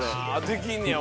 「できんねや。